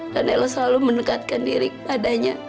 dan ella selalu mendekatkan diri kepadanya